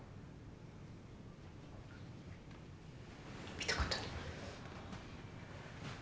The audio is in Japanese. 見たことない。